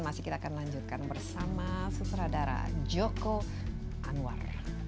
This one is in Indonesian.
masih kita akan lanjutkan bersama sutradara joko anwar